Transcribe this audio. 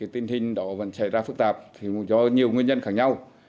tình hình đó vẫn xảy ra phức tạp do nhiều nguyên nhân khác nhau